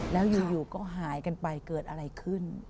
แล้วอยู่ก็หายกันไปเกิดอะไรขึ้น